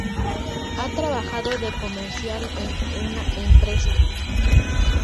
Ha trabajado de comercial en una empresa.